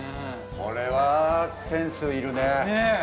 これはセンス要るねねぇ